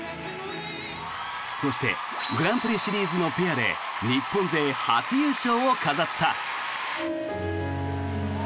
そしてグランプリシリーズのペアで日本勢初優勝を飾った。